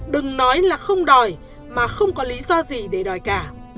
đừng nói là không đòi mà không có lý do gì để đòi cả